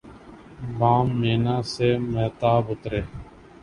بام مینا سے ماہتاب اترے